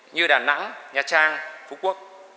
như đà nẵng nha trang phú quốc